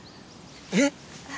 えっ！？